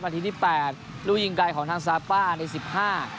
ทีที่แปดลูกยิงไกลของทางซาป้าในสิบห้า